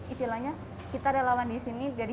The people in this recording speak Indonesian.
istilahnya kita relawan di sini